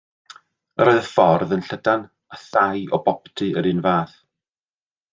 Yr oedd y ffordd yn llydan a thai o boptu yr un fath.